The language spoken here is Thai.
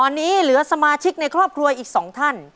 ตอนนี้เหลือสมาชิกในครอบครัวอีก๒ท่าน